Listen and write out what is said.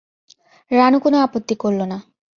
রানু কোনো আপত্তি করল না।